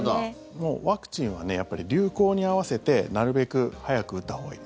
もう、ワクチンは流行に合わせてなるべく早く打ったほうがいい。